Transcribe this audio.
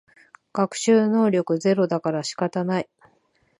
学習能力ゼロだから仕方ない